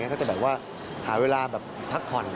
ก็จะแบบว่าหาเวลาแบบทักพร